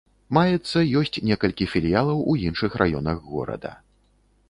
Маецца ёсць некалькі філіялаў у іншых раёнах горада.